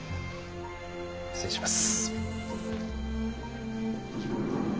失礼します。